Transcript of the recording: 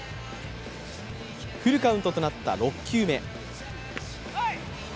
フルカウントとなった６球目。